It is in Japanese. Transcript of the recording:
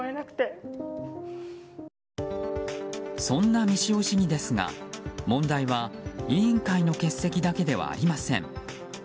そんな三塩市議ですが問題は委員会の欠席だけではありません。